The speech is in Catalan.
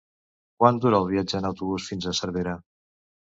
Quant dura el viatge en autobús fins a Cervera?